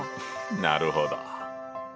なるほど！